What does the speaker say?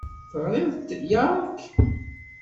Teɣṛiḍ-t yark?